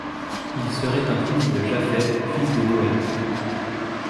Il serait un fils de Japhet fils de Noé.